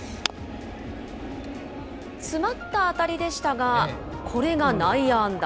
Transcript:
詰まった当たりでしたが、これが内野安打。